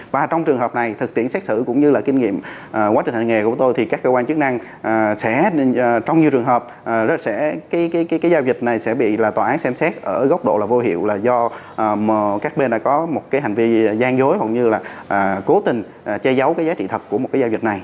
và trong trường hợp này thực tiễn xét xử cũng như là kinh nghiệm quá trình hành nghề của tôi thì các cơ quan chức năng trong nhiều trường hợp giao dịch này sẽ bị là tòa án xem xét ở góc độ là vô hiệu là do các bên đã có một cái hành vi gian dối hoặc như là cố tình che giấu cái giá trị thật của một cái giao dịch này